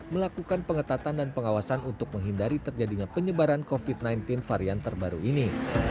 melakukan pengetatan dan pengawasan untuk menghindari terjadinya penyebaran covid sembilan belas varian terbaru ini